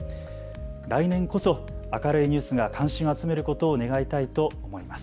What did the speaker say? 来年こそ明るいニュースが関心を集めることを願いたいと思います。